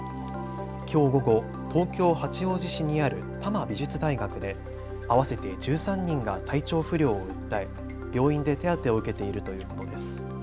きょう午後、東京八王子市にある多摩美術大学で合わせて１３人が体調不良を訴え、病院で手当てを受けているということです。